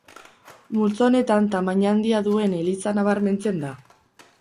Multzo honetan tamaina handia duen eliza nabarmentzen da.